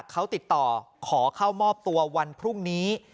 เขาติดต่อขอเข้ามอบตัววันพรุ่งนี้